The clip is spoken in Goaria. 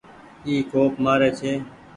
اي ڪوپ مآري ڇي۔